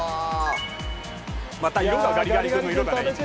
また色がガリガリ君の色だね。